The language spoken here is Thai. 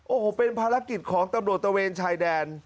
โอ้โหเป็นภารกิจของตำรวจตะเวนชายแดน